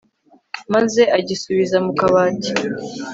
maze agisubiza mu kabati